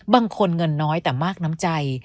เงินน้อยแต่มากน้ำใจ